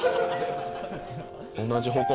同じ方向